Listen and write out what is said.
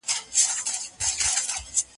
د اوبو ډېر استعمال د وجود صفايي ده.